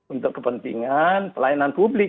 untuk kepentingan pelayanan publik